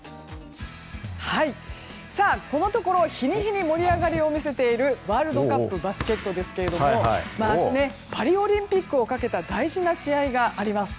このところ日に日に盛り上がりを見せているワールドカップバスケットですが明日、パリオリンピックをかけた大事な試合があります。